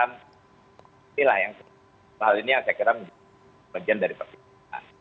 inilah yang saya kira bagian dari pertimbangan